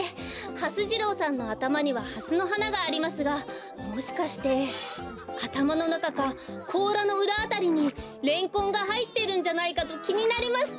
はす次郎さんのあたまにはハスのはながありますがもしかしてあたまのなかかこうらのうらあたりにレンコンがはいってるんじゃないかときになりまして。